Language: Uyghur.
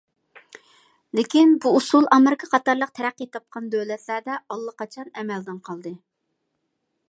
لېكىن، بۇ ئۇسۇل ئامېرىكا قاتارلىق تەرەققىي تاپقان دۆلەتلەردە ئاللىقاچان ئەمەلدىن قالدى.